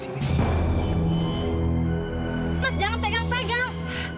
mas jangan pegang pegang